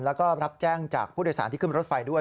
แล้วก็รับแจ้งจากผู้โดยสารที่ขึ้นรถไฟด้วย